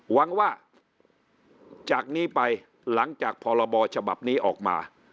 หวังว่าจากนี้ไปหลังจากพรบฉบับนี้ออกมา